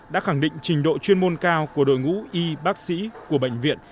đã khẳng định trình độ chuyên môn cao của đội ngũ y bác sĩ của bệnh viện